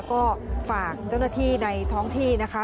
ก็ฝากเจ้าหน้าที่ในท้องที่นะคะ